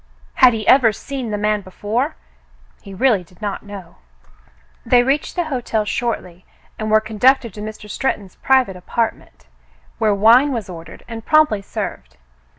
Had he ever seen the man before ? He really did not know. They reached the hotel shortly and were conducted to Mr. Stretton's private apartment, where wine was ordered, and promptly served.